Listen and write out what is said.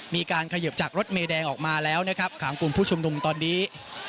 มีการเขยิบจากรถเมแดงออกมาแล้วนะครับของกลุ่มผู้ชุมนุมตอนนี้